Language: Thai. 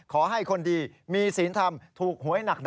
ขอให้คนดีมีศีลธรรมถูกหวยหนัก